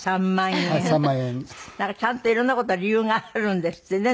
なんかちゃんと色んな事理由があるんですってね。